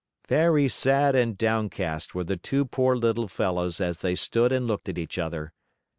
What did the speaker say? Very sad and downcast were the two poor little fellows as they stood and looked at each other.